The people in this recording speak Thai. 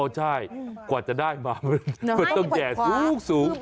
อ๋อใช่กว่าจะได้มามันต้องแยกสูง